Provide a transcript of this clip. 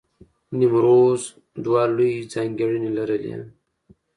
نیمروز دوه لوی ځانګړنې لرلې.